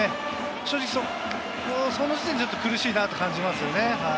正直、その時点で苦しいなと感じますね。